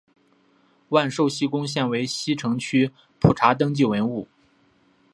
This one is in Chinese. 万寿西宫现为西城区普查登记文物。